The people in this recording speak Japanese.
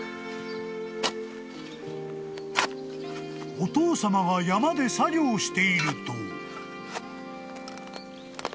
［お父さまが山で作業していると］